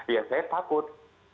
ya saya takut